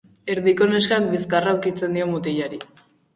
Erdiko neskak bizkarra ukitzen dio mutilari.